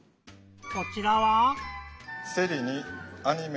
こちらは？